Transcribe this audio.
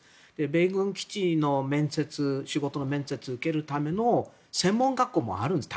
米軍基地の仕事の面接を受けるための専門学校もあるんです